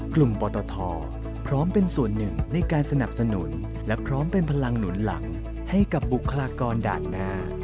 ปตทพร้อมเป็นส่วนหนึ่งในการสนับสนุนและพร้อมเป็นพลังหนุนหลังให้กับบุคลากรด่านหน้า